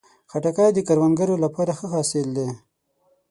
خټکی د کروندګرو لپاره ښه حاصل دی.